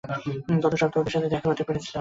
গত সপ্তাহে ওদের সাথে দেখা করতে পেরেছিলাম।